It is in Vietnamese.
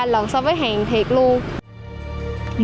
hai ba lần so với hàng thiệt luôn